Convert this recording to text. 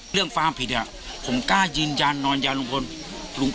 เรื่องความผิดเนี่ยผมกล้ายืนยันนอนยาลุงพล